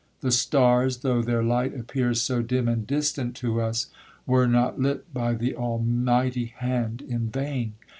The stars, though their light appears so dim and distant to us, were not lit by the Almighty hand in vain.